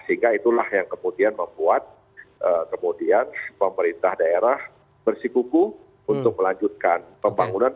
sehingga itulah yang kemudian membuat kemudian pemerintah daerah bersikuku untuk melanjutkan pembangunan